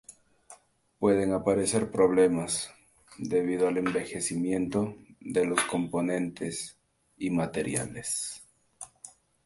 Pueden aparecer problemas debido al envejecimiento de los componentes y materiales.